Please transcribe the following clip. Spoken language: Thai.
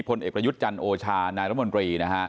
พลเอกประยุทธ์จันทร์โอชานายรัฐบุรณรี